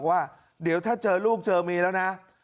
ว่าเดี๋ยวถ้าเจอลูกเจอเมียแล้วนะ